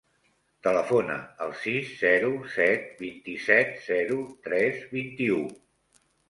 Telefona al sis, zero, set, vint-i-set, zero, tres, vint-i-u.